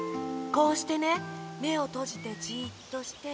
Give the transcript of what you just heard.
こうしてねめをとじてじっとして。